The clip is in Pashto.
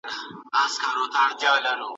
آیا ستاسو د ټایپنګ سرعت ښه دی؟